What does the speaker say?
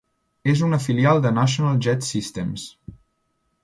És una filial de National Jet Systems.